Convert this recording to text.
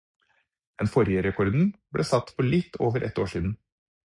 Den forrige rekorden ble satt for litt over ett år siden.